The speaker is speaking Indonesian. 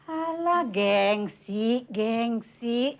alah gengsi gengsi